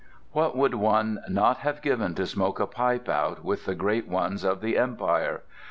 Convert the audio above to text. What would one not have given to smoke a pipe out with the great ones of the empire!